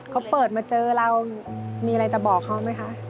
เขาเปิดมาเจอเรามีอะไรจะบอกเขาไหมคะ